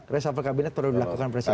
resapel kabinet perlu dilakukan presiden